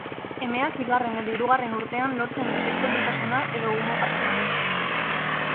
Emeak bigarren edo hirugarren urtean lortzen du sexu-heldutasuna edo umotasuna.